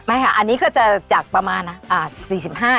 อันนี้ก็จะจากประมาณอ่าอ่า๔๕ถึง๕๐